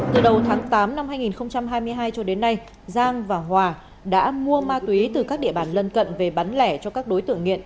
từ đầu tháng tám năm hai nghìn hai mươi hai cho đến nay giang và hòa đã mua ma túy từ các địa bàn lân cận về bán lẻ cho các đối tượng nghiện